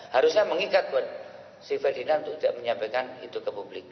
harusnya mengikat buat si ferdinand untuk tidak menyampaikan itu ke publik